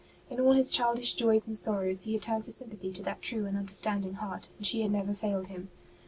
In all his childish joys and sorrows he had turned for sympathy to that true and understanding heart, and she had never failed him.